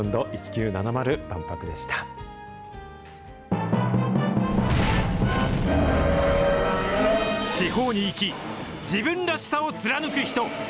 万博地方に生き、自分らしさを貫く人。